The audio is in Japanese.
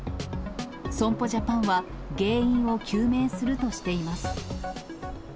損保ジャパンは原因を究明するとしています。